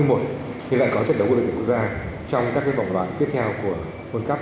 và ngày một mươi sáu tháng một mươi một thì lại có trận đấu của đại dịch quốc gia trong các bóng loại tiếp theo của world cup